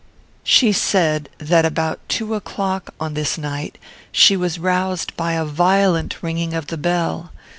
She said, that about two o'clock, on this night, she was roused by a violent ringing of the bell.